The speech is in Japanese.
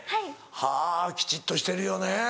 はぁきちっとしてるよね。